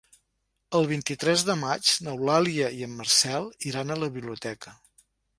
El vint-i-tres de maig n'Eulàlia i en Marcel iran a la biblioteca.